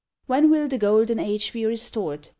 When will the golden age be restored?